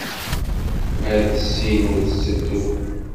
Mer tessin, ur tetteddu.